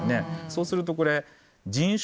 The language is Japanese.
そうするとこれ。